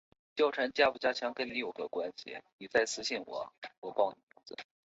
小方竹为禾本科方竹属下的一个种。